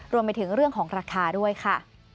รวมไปถึงเรื่องของราคาด้วยค่ะ